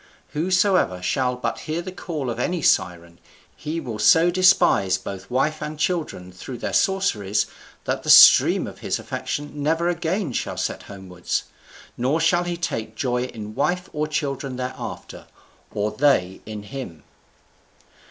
Whosoever shall but hear the call of any Siren, he will so despise both wife and children through their sorceries that the stream of his affection never again shall set homewards, nor shall he take joy in wife or children thereafter, or they in him."